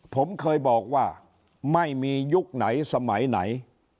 ผมเคยบอกว่าไม่มียุคไหนสมัยไหน